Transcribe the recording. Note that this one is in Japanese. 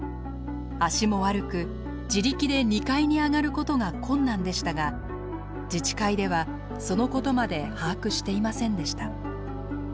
足も悪く自力で２階に上がることが困難でしたが自治会ではそのことまで把握していませんでした。